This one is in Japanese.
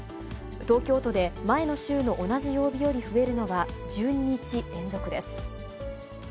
東京都で前の週の同じ曜日より増えるのは、１２日連続です。